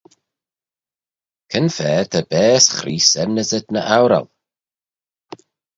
Cre'n fa ta baase Chreest enmyssit ny oural?